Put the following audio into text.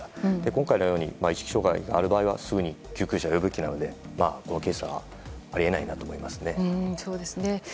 今回のように意識障害がある場合はすぐに救急車を呼ぶべきなのでこのケースはあり得ないなと思いますね。